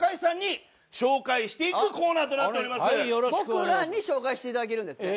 僕らに紹介していただけるんですね。